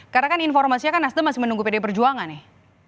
karena kan informasinya kan nasdaq masih menunggu pd perjuangan nih